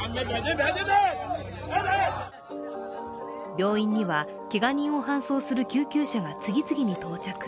病院には、けが人を搬送する救急車が次々に到着。